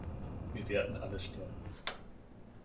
Wir werden alle sterben!